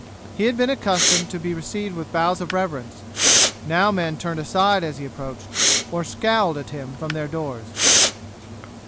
He had been accustomed to be received with bows of reverence; now men turned aside as he approached, or scowled at him from their doors.